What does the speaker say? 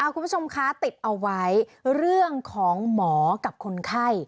คุณผู้ชมคะติดเอาไว้เรื่องของหมอกับคนไข้